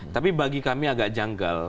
tapi bagi kami agak janggal